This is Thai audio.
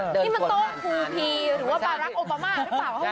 นี่มันโต๊ะภูพีหรือว่าบารักษ์โอบามาหรือเปล่า